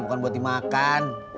bukan buat dimakan